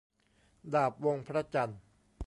ดาบวงพระจันทร์